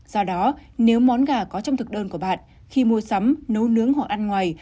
do đó nếu món gà có trong thực đơn của bạn khi mua sắm nấu nướng hoặc ăn ngoài